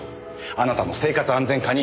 あなたの生活安全課に！